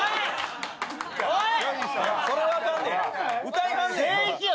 歌いはんねん！